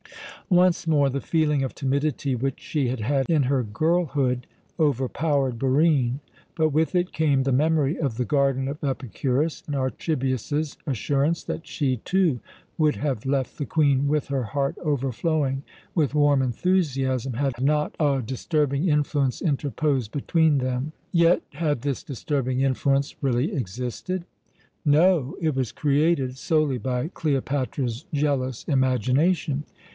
Once more the feeling of timidity which she had had in her girlhood overpowered Barine, but with it came the memory of the garden of Epicurus, and Archibius's assurance that she, too, would have left the Queen with her heart overflowing with warm enthusiasm had not a disturbing influence interposed between them. Yet, had this disturbing influence really existed? No. It was created solely by Cleopatra's jealous imagination.